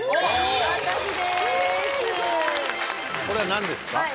これは何ですか？